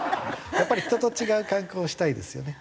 やっぱり人と違う観光をしたいですよね。